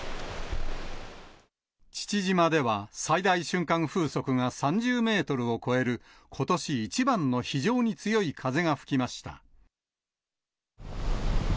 父島では最大瞬間風速が３０メートルを超える、ことし一番の非常に強い風が吹きました。